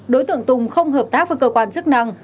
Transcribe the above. đối tượng tùng không hợp tác với cơ quan chức năng